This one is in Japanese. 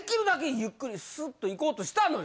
ゆっくりスッといこうとしたのよ。